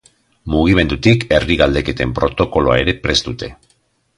Mugimendutik herri galdeketen protokoloa ere prest dute.